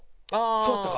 そうやったか？